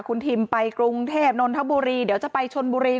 คุณทิมไปกรุงเทพนนทบุรีเดี๋ยวจะไปชนบุรี